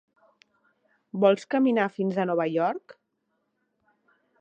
Vols caminar fins a Nova York?